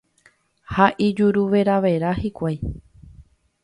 ha ijuruveravera hikuái.